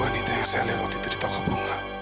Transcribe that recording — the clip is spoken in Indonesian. wanita yang saya lihat waktu itu di toko bunga